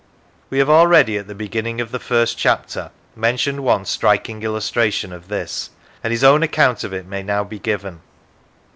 We have already, at the beginning of the first chapter, mentioned one striking illustration of this, and his own account of it may now be given.